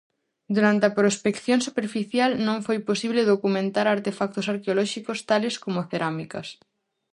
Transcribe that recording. Durante a prospección superficial non foi posible documentar artefactos arqueolóxicos tales como cerámicas.